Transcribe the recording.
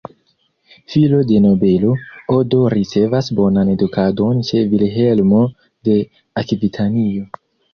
Filo de nobelo, Odo ricevas bonan edukadon ĉe Vilhelmo de Akvitanio.